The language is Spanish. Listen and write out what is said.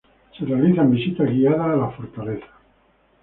Se realizan visitas guiadas a la fortaleza.